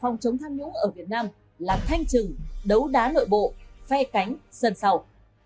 phong chống tham nhũ ở việt nam là thanh chừng đấu đá nội bộ phe cánh sần sầu